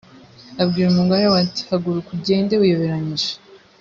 abwira umugore we ati haguruka ugende wiyoberanyije